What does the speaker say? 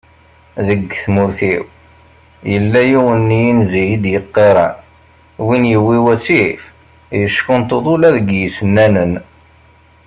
Deg tmurt-iw, yella yiwen n yinzi i d-yeqqaren, win yewwi wasif, yeckunṭud ula deg yisennanen.